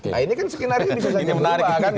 nah ini kan skenario bisa saja berubah kan